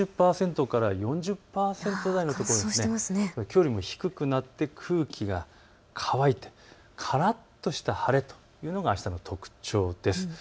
きょうよりも低くなって空気が乾いてからっとした晴れというのがあしたの特徴です。